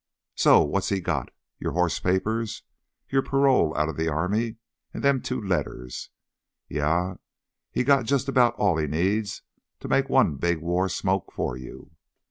"So—what's he got? Your hoss papers, your parole outta th' army, an' them two letters. Yeah, he's got jus' 'bout all he needs to make one big war smoke for you."